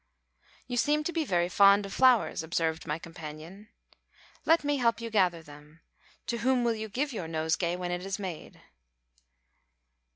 "You seem to be very fond of flowers," observed my companion. "Let me help you gather them. To whom will you give your nosegay when it is made?"